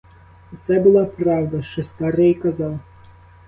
Оце була правда, що старий казав.